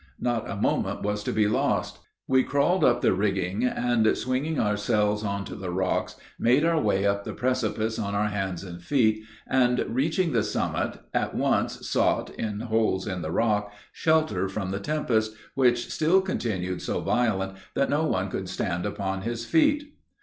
Not a moment was to be lost. We crawled up the rigging, and, swinging ourselves on to the rocks, made our way up the precipice on our hands and feet, and, reaching the summit, at once sought, in holes in the rock, shelter from the tempest, which still continued so violent that no one could stand upon his feet.